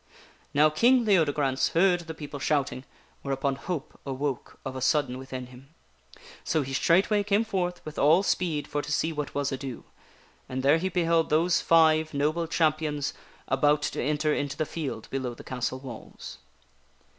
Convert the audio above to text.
Now King Leodegrance heard the people shouting, whereupon hope awoke of a sudden within him. So he straightway came forth with all THE WHITE CHAMPION APPEARS I27 speed for to see what was ado, and there he beheld those five noble cham pions about to enter into the field below the castle walls.